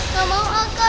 gak mau angka